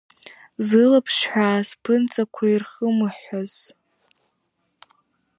Зылаԥшҳәаа зԥынҵақәа ирхымыҳәҳәаз.